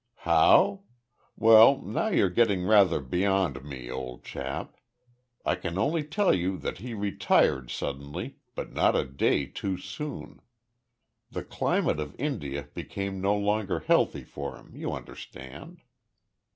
"How? Well now you're getting rather beyond me, old chap. I can only tell you that he retired suddenly, but not a day too soon. The climate of India became no longer healthy for him, you understand."